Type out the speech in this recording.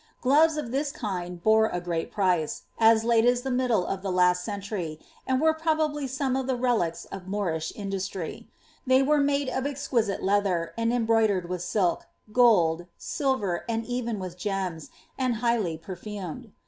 Gloves of this kind bore a great price, as late as the middle of the last century, and were prolKibly some of the relics of Moorish industr}' ; they were made of exquisite leather, and embroidered with silk, gohl, silver, and even with gems, and liighly perfumed.